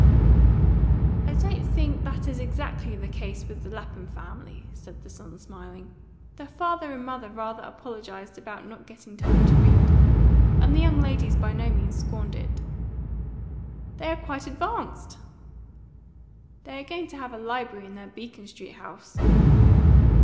"I don't think that is exactly the case with the Lapham family," said the son, smiling. "The father and mother rather apologised about not getting time to read, and the young ladies by no means scorned it." "They are quite advanced!" "They are going to have a library in their Beacon Street house."